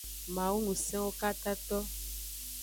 Mawu ngusenwo katato.